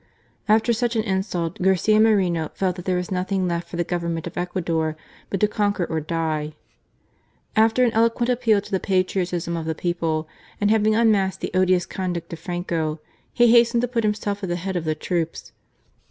After such an insult Garcia Moreno felt that there was nothing left for the Government of Ecuador but to conquer or die. After an eloquent appeal to the patriotism of the people, and having unmasked the odious conduct of Franco, he hastened to put himself at the head of the troops.